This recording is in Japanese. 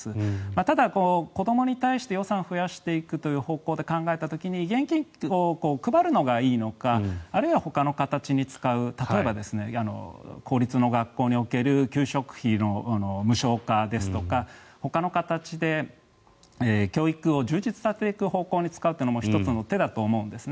ただ、子どもに対して予算を増やしていくという方向で考えた時に現金を配るのがいいのかあるいはほかの形に使う例えば、公立の学校における給食費の無償化ですとかほかの形で教育を充実させていく方向に使うのも１つの手だと思うんですね。